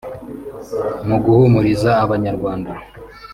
mu guhumuriza abanyarwanda